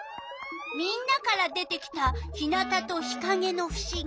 みんなから出てきた日なたと日かげのふしぎ。